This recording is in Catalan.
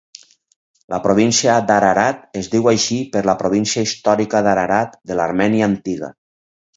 La província d'Ararat es diu així per la província històrica d'Ararat de l'Armènia antiga.